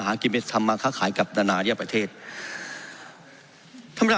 หากิมเมสทำมาค้าขายกับนานาเรีย่ยประเทศทำมา